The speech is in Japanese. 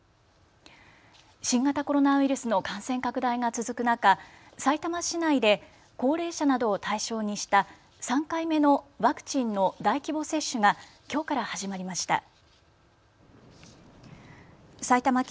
新型コロナウイルスの感染拡大が続く中、さいたま市内で高齢者などを対象にした３回目のワクチンの大規模接種がきょうから始まりました。